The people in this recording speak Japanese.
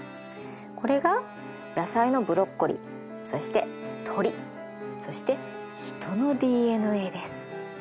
これが野菜のブロッコリーそして鶏そしてヒトのＤＮＡです。